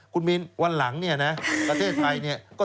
คุณมีนวันหลังประเทศไทย